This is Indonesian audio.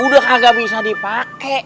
udah kagak bisa dipake